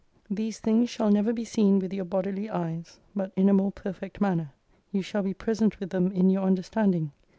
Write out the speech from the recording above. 16 These things shall never be seen with your bodily eyes, but in a more perfect manner. You shall be present with them in your understanding.